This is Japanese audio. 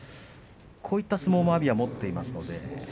こういった相撲も阿炎は持っていますので。